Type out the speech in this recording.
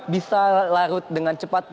bisa larut dengan cepat